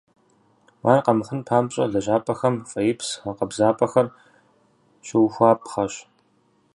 Ар къэмыхъун папщӏэ, лэжьапӏэхэм фӏеипс гъэкъэбзапӏэхэр щыухуапхъэщ.